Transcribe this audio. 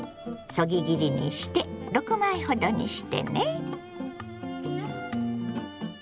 そぎ切りにして６枚ほどにしてね。